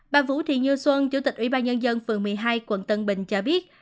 bà vũ thị như xuân chủ tịch ủy ban nhân dân phường một mươi hai quận tân bình cho biết